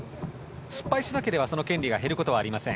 失敗しなければその権利は減ることはありません。